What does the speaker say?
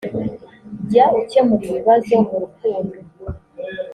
jya ukemura ibibazo mu rukundo